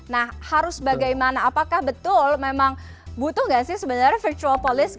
nah harus bagaimana apakah betul memang butuh nggak sih sebenarnya virtual police